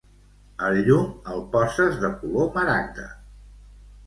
El llum el poses de color maragda.